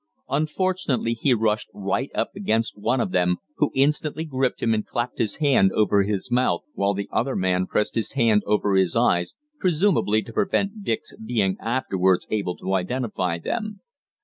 Unfortunately he rushed right up against one of them, who instantly gripped him and clapped his hand over his mouth while the other man pressed his hand over his eyes presumably to prevent Dick's being afterwards able to identify them.